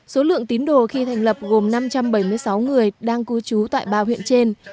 số lượng tín đồ khi thành lập gồm năm trăm bảy mươi sáu người đang cư trú tại ba huyện trên